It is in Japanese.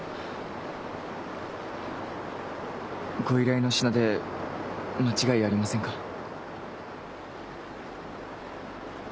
ご依頼の品で間違いありませんか？